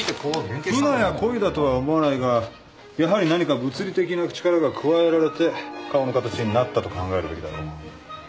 フナやコイだとは思わないがやはり何か物理的な力が加えられて顔の形になったと考えるべきだろう。